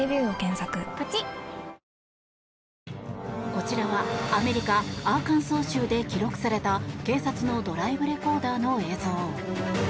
こちらはアメリカ・アーカンソー州で記録された警察のドライブレコーダーの映像。